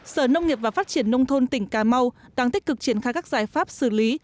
sở nông nghiệp và phát triển nông thôn tỉnh cà mau đang tích cực triển khai các giải pháp xử lý